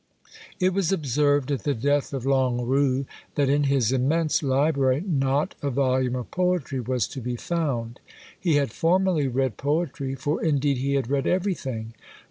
It was observed at the death of Longuerue that in his immense library not a volume of poetry was to be found. He had formerly read poetry, for indeed he had read everything.